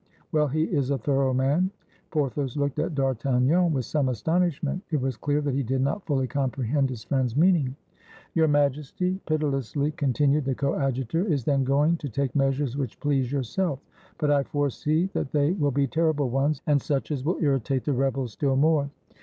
"Well, he is a thorough man." Porthos looked at D'Artagnan with some astonish ment; it was clear that he did not fully comprehend his friend's meaning. "Your Majesty," pitilessly continued the Coadjutor, " is then going to take measures which please yourself. 262 IN THE DAYS OF THE FRONDE But I foresee that they will be terrible ones, and such as will irritate the rebels still more."